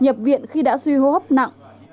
nhập viện khi đã suy hô hấp nặng